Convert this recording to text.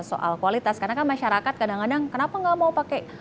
soal kualitas karena kan masyarakat kadang kadang kenapa nggak mau pakai